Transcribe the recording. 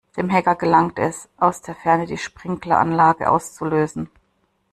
Dem Hacker gelang es, aus der Ferne die Sprinkleranlage auszulösen.